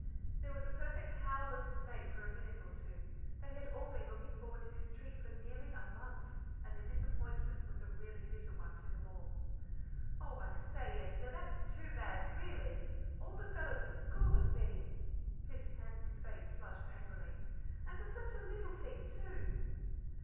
There was a perfect howl of dismay for a minute or two. They had all been looking forward to this treat for nearly a month, and the disappointment was a really bitter one to them all. "Oh, I say, Esther, that's too bad, really! All the fellows at school have been." Pip's handsome face flushed angrily. "And for such a little thing, too!"